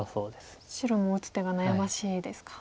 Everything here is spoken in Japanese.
白も打つ手が悩ましいですか。